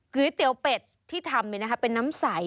ก๋วยเตี๋ยวเป็ดที่ทำเป็นน้ำใส